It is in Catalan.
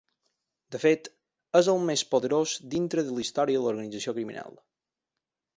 De fet és el més poderós dintre de la història de l'organització criminal.